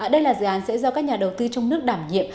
đây là dự án sẽ do các nhà đầu tư trong nước đảm nhiệm